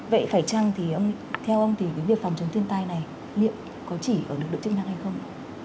vậy phải chăng thì theo ông thì cái việc phòng chống thiên tai này liệu có chỉ ở lực lượng chức năng hay không ạ